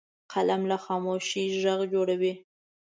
قلم له خاموشۍ غږ جوړوي